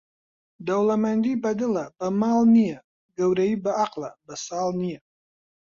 دەوڵەمەندی بەدڵە بە ماڵ نییە، گەورەیی بە عەقڵە بە ساڵ نییە.